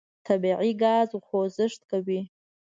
طبیعي ګاز خوځښت کوي.